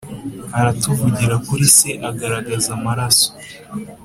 Aratuvugira kuri se agaragaza amaraso